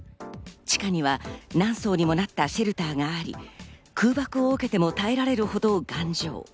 地下には何層にもなったシェルターがあり、空爆を受けても耐えられるほど頑丈。